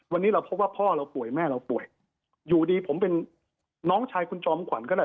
วันนี้เราพบว่าพ่อเราป่วยแม่เราป่วยอยู่ดีผมเป็นน้องชายคุณจอมขวัญก็ได้